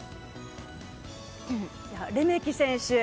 レメキ選手。